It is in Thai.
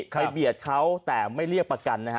ใครเบียดเขาแต่ไม่เรียกประกัน